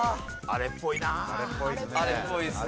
あれっぽいです。